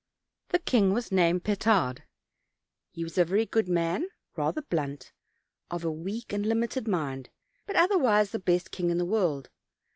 The king was named Petard; he was a very good man, rather blunt, of a weak and limited mind; but otherwise the best king in the world.